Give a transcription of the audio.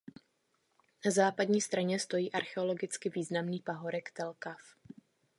Na západní straně stojí archeologicky významný pahorek Tel Caf.